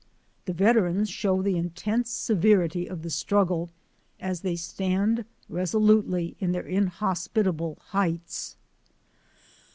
The veterans show the intense severity of the struggle as they stand resolutely in their inhospitable heights.